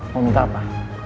mau minta apa